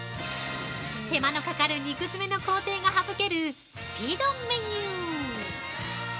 手間のかかる肉詰めの工程が省ける、スピードメニュー。